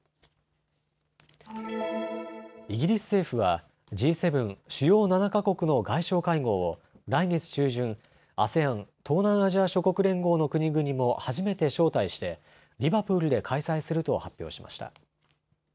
イギリス政府はＧ７・主要７か国の外相会合を来月中旬、ＡＳＥＡＮ・東南アジア諸国連合の国々も初めて招待してリバプールで開催すると発表しました。